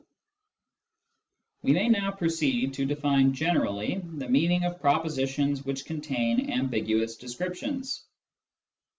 Descriptions 171 We may now proceed to define generally the meaning of propositions which contain ambiguous descriptions.